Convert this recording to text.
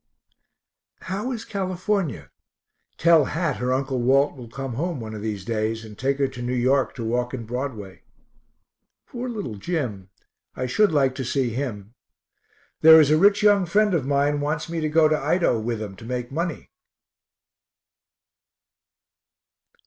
How is California? Tell Hat her Uncle Walt will come home one of these days, and take her to New York to walk in Broadway. Poor little Jim, I should like to see him. There is a rich young friend of mine wants me to go to Idaho with him to make money.